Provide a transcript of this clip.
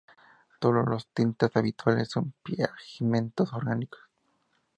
Todas las tintas habituales son pigmentos orgánicos.